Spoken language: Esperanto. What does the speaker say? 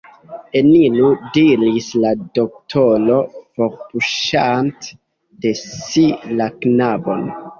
Eniru! diris la doktoro, forpuŝante de si la knabon.